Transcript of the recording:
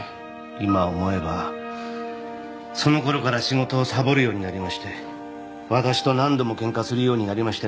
今思えばそのころから仕事をサボるようになりまして私と何度もケンカするようになりましてね。